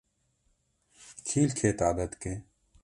Kî li kê tade dike?